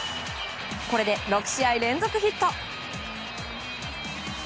これで６試合連続ヒット。